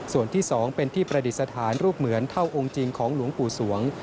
ส่วนที่๒เป็นที่ประดิษฐานรูปเหมือนเท่าองค์จริงของหลวงปู่สวง